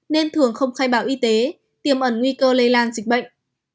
nên thường không khai báo y tế tiêm ẩn nguy cơ lây lan dịch bệnh